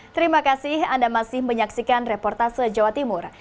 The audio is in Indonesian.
terima kasih anda masih menyaksikan reportase jawa timur